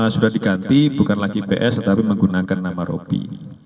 sudah diganti bukan lagi ps tetapi menggunakan nama ropi